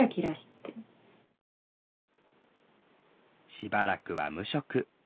しばらくは無職。